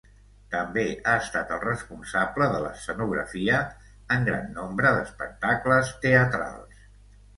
També ha estat el responsable de l'escenografia en gran nombre d'espectacles teatrals.